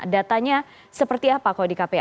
datanya seperti apa kalau di kpa